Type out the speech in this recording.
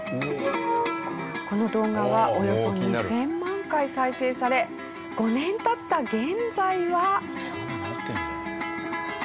この動画はおよそ２０００万回再生され５年経った現在は。